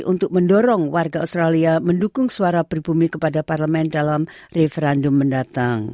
untuk mendorong warga australia mendukung suara pribumi kepada parlemen dalam referendum mendatang